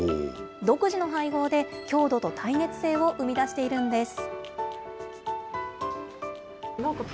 独自の配合で、強度と耐熱性を生み出しているんです。